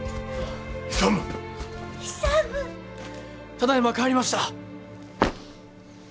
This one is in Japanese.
ただいま帰りました。